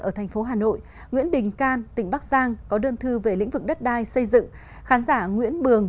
ở tp hcm nguyễn đình can tỉnh bắc giang có đơn thư về lĩnh vực đất đai xây dựng khán giả nguyễn bường